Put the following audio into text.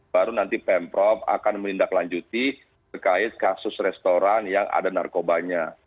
baru nanti pemprov akan menindaklanjuti berkait kasus restoran yang ada narkobanya